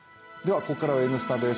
ここからは「Ｎスタ」です。